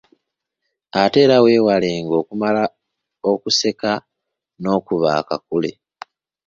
Ate era weewalenga okumala okuseka n’okuba akakule.